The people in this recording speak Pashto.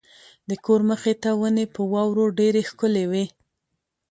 د کور مخې ته ونې په واورو ډېرې ښکلې وې.